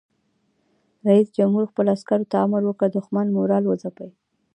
رئیس جمهور خپلو عسکرو ته امر وکړ؛ د دښمن مورال وځپئ!